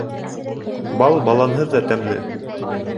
Бал баланһыҙ ҙа тәмле.